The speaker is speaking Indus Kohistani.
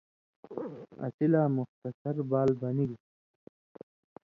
اسی لا مُختصر بال بنِگ۔